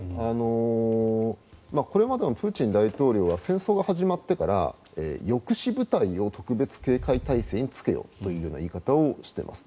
これまでもプーチン大統領は戦争が始まってから抑止部隊を特別警戒態勢につけよという言い方をしています。